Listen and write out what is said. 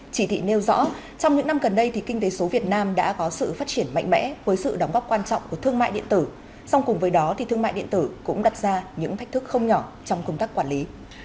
chỉ thị nêu rõ trong những năm gần đây thì kinh tế số việt nam đã có sự phát triển mạnh mẽ với sự đóng góp quan trọng của thương mại điện tử song cùng với đó thì thương mại điện tử cũng đặt ra những thách thức không nhỏ trong công tác quản lý